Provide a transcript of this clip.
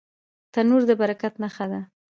تنور د برکت نښه ده